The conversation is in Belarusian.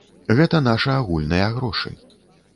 Гэта нашы агульныя грошы.